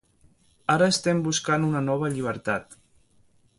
Ara estem buscant una nova llibertat.